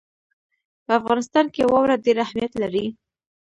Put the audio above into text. په افغانستان کې واوره ډېر اهمیت لري.